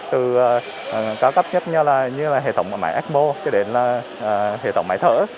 từ cao cấp nhất như là hệ thống máy ecmo cho đến là hệ thống máy thở